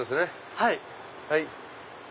はい。